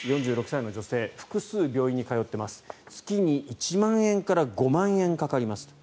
４６歳の女性複数、病院に通っています月に１万円から５万円かかりますと。